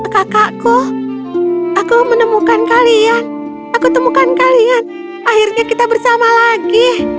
kakakku aku menemukan kalian aku temukan kalian akhirnya kita bersama lagi